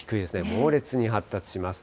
猛烈に発達します。